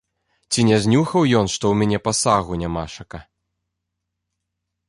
Ці не знюхаў ён, што ў мяне пасагу нямашака?